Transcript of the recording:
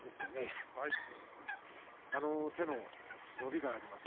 手の伸びがあります。